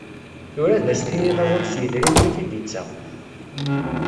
Tura ad as-tiniḍ awal s yedrimen i t-id-yettaɣ.